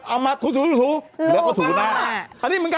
เอามาถูและองค์ถูหน้าเนี่ยก็ถูหน้าแล้วเจ๋งค่ะ